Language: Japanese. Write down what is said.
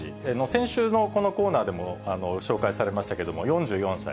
先週のこのコーナーでも紹介されましたけれども、４４歳。